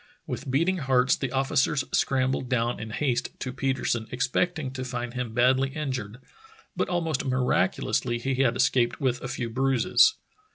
With beating hearts the officers scrambled down in haste to Petersen, expecting to find him badly injured, but almost miraculously he had escaped with a few bruises.